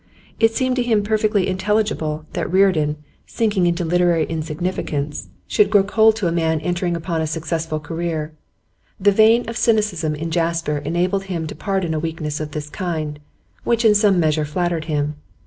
It seemed to him perfectly intelligible that Reardon, sinking into literary insignificance, should grow cool to a man entering upon a successful career; the vein of cynicism in Jasper enabled him to pardon a weakness of this kind, which in some measure flattered him.